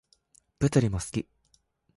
物理も好き